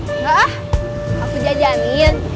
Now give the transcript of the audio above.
enggak ah aku jajanin